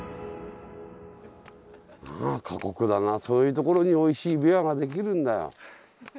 過酷だなそういう所においしいびわができるんだよ。